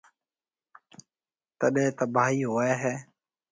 تڏيَ تباهائِي هوئي هيَ۔